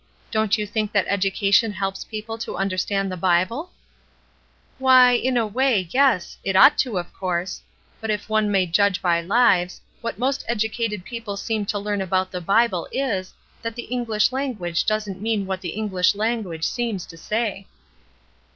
''Don't you think that education helps people to understand the Bible?" 220 ESTER RIED'S NAMESAKE "Why, in a way, yes; it ought to, of course; but if one may judge by lives, what most edu cated people seem to learn about the Bible is, that the Enghsh language doesn't mean what the EngUsh language seems to say."